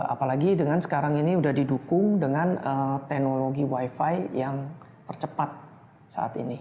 apalagi dengan sekarang ini sudah didukung dengan teknologi wifi yang tercepat saat ini